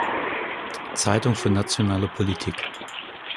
Zeitung für nationale Politik".